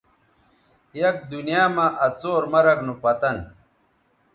یک دنیاں مہ آ څور مرگ نو پتن